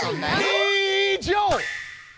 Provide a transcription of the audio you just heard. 以上！